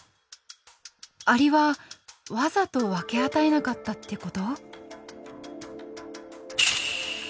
アリはわざと分け与えなかったって事？